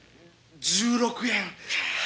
１６円。